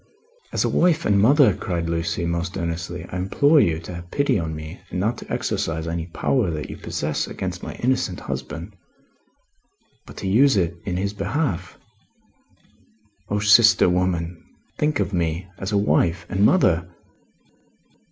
"As a wife and mother," cried Lucie, most earnestly, "I implore you to have pity on me and not to exercise any power that you possess, against my innocent husband, but to use it in his behalf. O sister woman, think of me. As a wife and mother!"